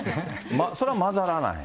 それは混ざらない？